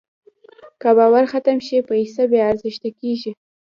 که باور ختم شي، پیسه بېارزښته کېږي.